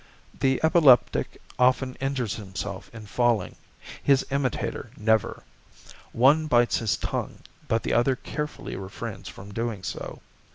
The epileptic often injures himself in falling, his imitator never; one bites his tongue, but the other carefully refrains from doing so.